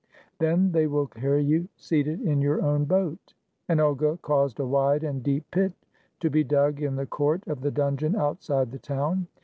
Then they will carry you seated in your own boat." And Olga caused a wide and deep pit to be dug in the court of the dungeon outside the town.